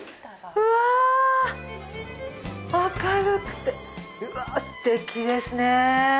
うわっ明るくて、すてきですね。